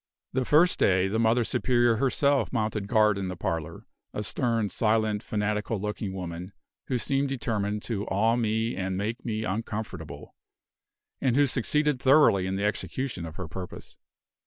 The first day, the Mother Superior herself mounted guard in the parlor a stern, silent, fanatical looking woman, who seemed determined to awe me and make me uncomfortable, and who succeeded thoroughly in the execution of her purpose.